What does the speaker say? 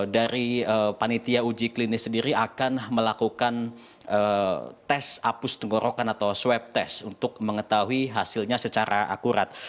dari panitia uji klinis sendiri akan melakukan tes apus tenggorokan atau swab test untuk mengetahui hasilnya secara akurat